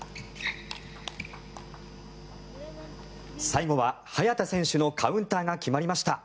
最後は早田選手のカウンターが決まりました。